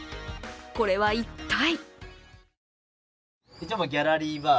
これは、一体。